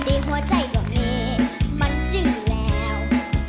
เดี๋ยวหัวใจต่อเนี่ยมันจื้อแล้ว